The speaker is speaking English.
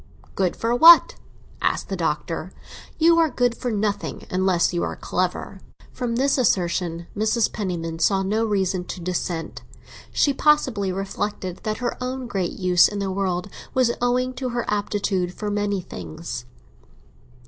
"Good for what?" asked the Doctor. "You are good for nothing unless you are clever." From this assertion Mrs. Penniman saw no reason to dissent; she possibly reflected that her own great use in the world was owing to her aptitude for many things.